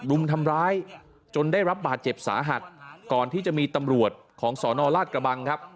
รุมทำร้ายจนได้รับบาดเจ็บสาหัสก่อนที่จะมีตำรวจของสนราชกระบังครับ